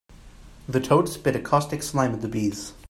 The toad spit a caustic slime at the bees.